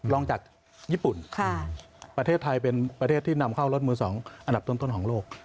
ลองจากญี่ปุ่นประเทศไทยเป็นประเทศที่นำเข้ารถมือ๒อันดับต้นของโลก